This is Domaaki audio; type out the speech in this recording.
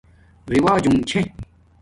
رِواج وجنگ چھے